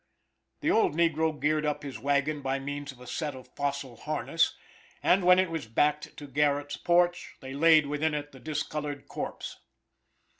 The old negro geared up his wagon by means of a set of fossil harness, and when it was backed to Garrett's porch, they laid within it the discolored corpse.